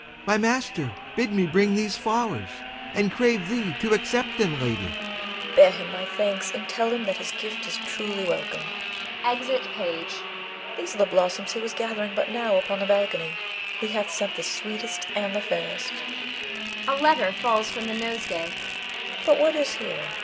Page. My master bid me bring these flowers and crave thee to accept them lady. Leonore. Bear him my thanks, and tell him that his gift is truly welcome. [Exit Page.] These are the blossoms he was gathering but now upon the balcony; he hath sent the sweetest and the fairest [a letter falls from the nosegay]. But what is here?